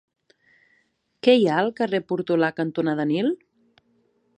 Què hi ha al carrer Portolà cantonada Nil?